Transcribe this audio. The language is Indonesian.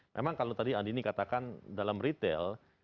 memang kalau tadi andini katakan dalam retail